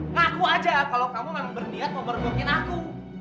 ngaku saja kalau kamu tidak berniat memerbukakan aku